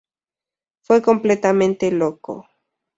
Fue completamente loco".